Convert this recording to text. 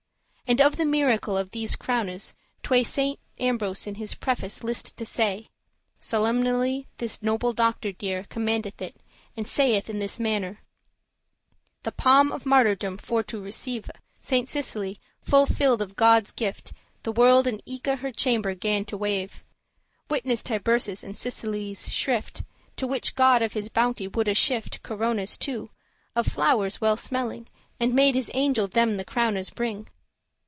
[And of the miracle of these crownes tway Saint Ambrose in his preface list to say; Solemnely this noble doctor dear Commendeth it, and saith in this mannere "The palm of martyrdom for to receive, Saint Cecilie, full filled of God's gift, The world and eke her chamber gan to weive;* *forsake Witness Tiburce's and Cecilie's shrift,* *confession To which God of his bounty woulde shift Corones two, of flowers well smelling, And made his angel them the crownes bring.